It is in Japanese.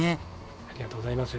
ありがとうございます。